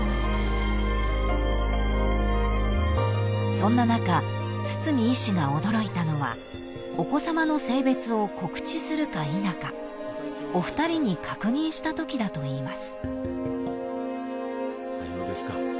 ［そんな中堤医師が驚いたのはお子さまの性別を告知するか否かお二人に確認したときだといいます］